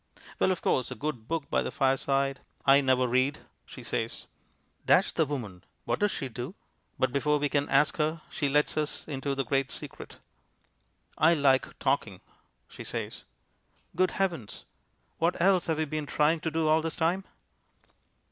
"Well, of course, a good book by the fireside " "I never read," she says. Dash the woman, what does she do? But before we can ask her, she lets us into the great secret. "I like talking," she says. Good Heavens! What else have we been trying to do all this time?